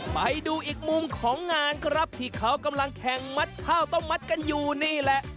ไปดูอีกมุมของงานครับที่เขากำลังแข่งมัดข้าวต้มมัดกันอยู่นี่แหละ